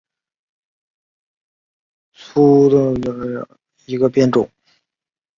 粗壮省藤为棕榈科省藤属下的一个变种。